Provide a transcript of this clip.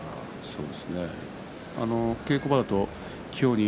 そうですね。